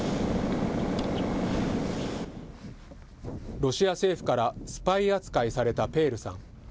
ロシア政府からスパイ扱いされたペールさん。